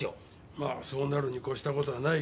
まあそうなるに越した事はないけど。